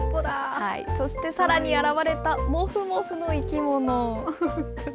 そしてさらに現れたもふもふの生き物。